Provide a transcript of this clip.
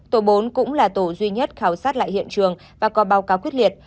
tổ bốn cũng là tổ duy nhất khảo sát lại hiện trường và có báo cáo quyết liệt